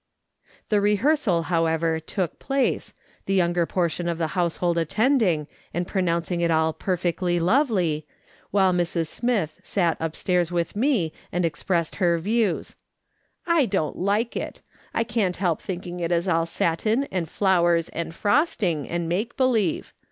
The rehearsal, however, took place, the younger portion of the household attending, and pronouncing it all " perfectly lovely," while Mrs. Smith sat up stairs with me, and expressed her views :" I don't like it. I can't help thinking it is all satin, and flowers, and frosting, and make believe.